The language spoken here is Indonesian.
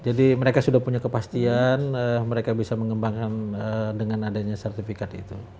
jadi mereka sudah punya kepastian mereka bisa mengembangkan dengan adanya sertifikat itu